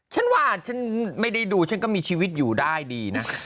ฉันว่าฉันไม่ได้ดูฉันก็มีชีวิตอยู่ได้ดีนะ